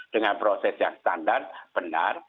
dengan proses yang standar benar